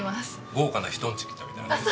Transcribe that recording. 豪華な人ん家来たみたいやね。